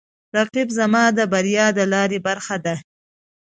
رقیب زما د بریا د لارې برخه ده